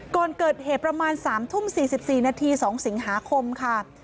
ก่อนเกิดเหตุประมาณ๓ทุ่ม๔๔นาที๒สิงหาคมค่ะ